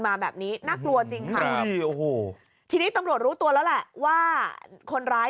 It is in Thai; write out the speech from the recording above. มาแบบนี้น่ากลัวจริงค่ะทีนี้ตำรวจรู้ตัวแล้วแหละว่าคนร้าย